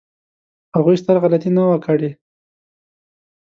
هغوی ستره غلطي نه وه کړې.